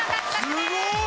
すごい！